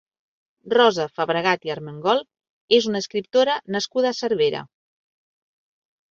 Rosa Fabregat i Armengol és una escriptora nascuda a Cervera.